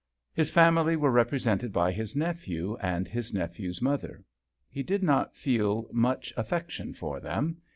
His family were represented by his nephew and his nephew's mother. He did not feel much affection for them.